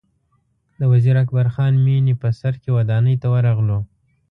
د وزیر اکبر خان مېنې په سر کې ودانۍ ته ورغلو.